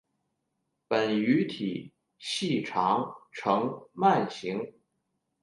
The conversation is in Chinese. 本鱼体细长呈鳗形。